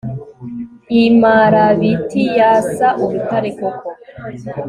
imarabiti yasa urutare koko